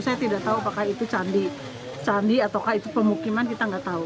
saya tidak tahu apakah itu candi ataukah itu pemukiman kita nggak tahu